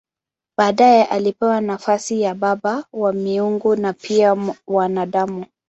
Baadaye alipewa nafasi ya baba wa miungu na pia wa wanadamu.